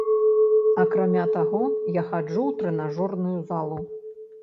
Акрамя таго, я хаджу ў трэнажорную залу.